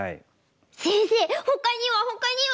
先生ほかにはほかには？